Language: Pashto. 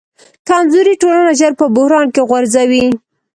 کمزورې ټولنه ژر په بحران کې غورځي.